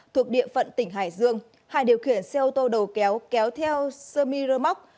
thuộc địa phận tỉnh hải dương hải điều khiển xe ô tô đầu kéo kéo theo sơ mi rơ móc